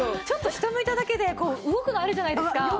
ちょっと下向いただけで動くのあるじゃないですか。